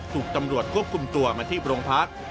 ถูกตำรวจควบคุมตัวมาที่โรงพัก